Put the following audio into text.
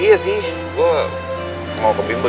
iya sih gue mau ke bimba